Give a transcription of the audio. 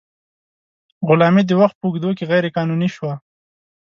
غلامي د وخت په اوږدو کې غیر قانوني شوه.